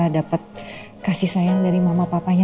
dapat kasih sayang dari mama papanya